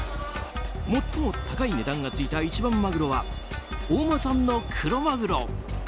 最も高い値段がついた一番マグロは大間産のクロマグロ。